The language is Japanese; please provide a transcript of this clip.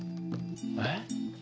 えっ？